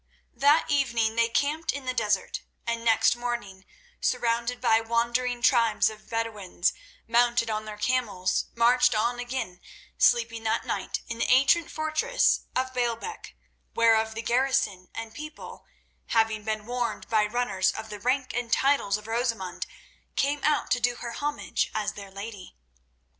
That evening they camped in the desert, and next morning, surrounded by wandering tribes of Bedouins mounted on their camels, marched on again, sleeping that night in the ancient fortress of Baalbec, whereof the garrison and people, having been warned by runners of the rank and titles of Rosamund came out to do her homage as their lady.